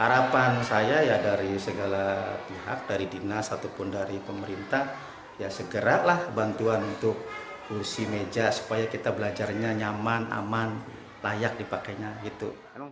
harapan saya ya dari segala pihak dari dinas ataupun dari pemerintah ya segeralah bantuan untuk kursi meja supaya kita belajarnya nyaman aman layak dipakainya gitu